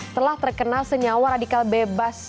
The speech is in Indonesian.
telah terkena senyawa radikal bebas